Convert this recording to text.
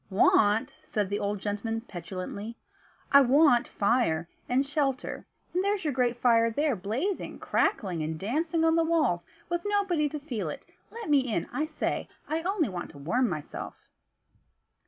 "Want?" said the old gentleman, petulantly, "I want fire, and shelter; and there's your great fire there blazing, crackling, and dancing on the walls, with nobody to feel it Let me in, I say; I only want to warm myself."